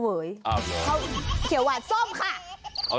เขาเขียวหวานส้มค่ะ